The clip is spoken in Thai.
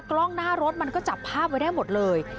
กล้องหน้ารถมันก็จับภาพไว้ได้หมดเลย